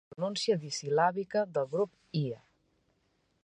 La pronúncia disil·làbica del grup "ia".